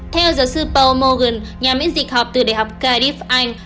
theo giáo sư paul morgan nhà miễn dịch học từ đại học cardiff anh